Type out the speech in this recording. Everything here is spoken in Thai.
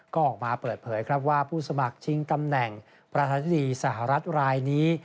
ก็ออกมาเปิดเผยครับว่าผู้สมัครชิงตำแหน่งประธานธิบดีสหรัฐรายนี้